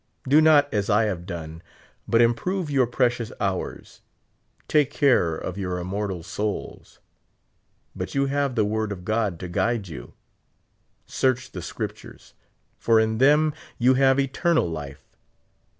Do not as I have done, but improve your precious hours ; take care of your immortal souls. But 3^ou have the word of God to guide you. Search the Scriptures, for in them you have eternal life.